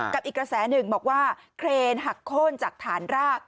อีกกระแสหนึ่งบอกว่าเครนหักโค้นจากฐานราก